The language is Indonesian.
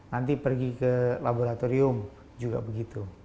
nanti pergi ke laboratorium juga begitu